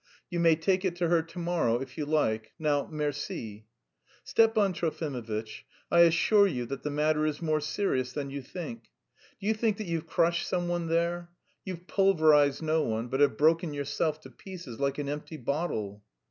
You may take it to her to morrow, if you like, now merci." "Stepan Trofimovitch, I assure you that the matter is more serious than you think. Do you think that you've crushed someone there? You've pulverised no one, but have broken yourself to pieces like an empty bottle."